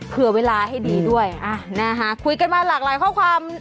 เผื่อเวลาให้ดีด้วยอ่ะนะคะคุยกันมาหลากหลายข้อความ